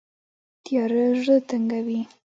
تیاره زړه تنګوي